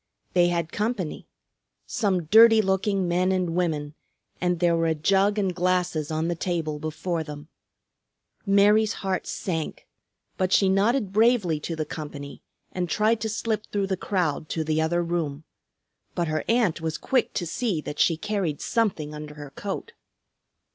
They had company; some dirty looking men and women, and there were a jug and glasses on the table before them. Mary's heart sank, but she nodded bravely to the company and tried to slip through the crowd to the other room. But her aunt was quick to see that she carried something under her coat.